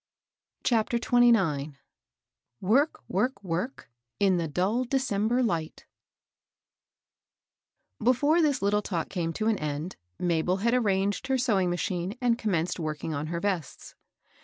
CHAPTER XXDL *« Work — wofk — work, In the dnU December light |EFORE this little talk came to an end, Mabel had arranged her sewmg machine, and commenced working on h^ vests.